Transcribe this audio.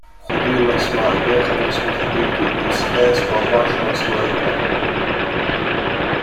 Hodila sva, nehala sva hoditi in sedaj sva oba šla svojo pot.